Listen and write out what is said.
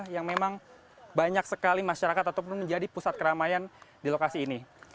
yang memang banyak sekali masyarakat ataupun menjadi pusat keramaian di lokasi ini